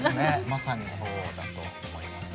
まさにそうだと思いますね。